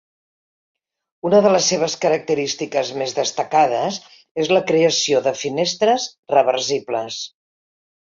Una de les seves característiques més destacades és la creació de finestres reversibles.